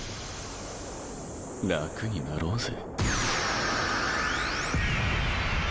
楽になろうぜ。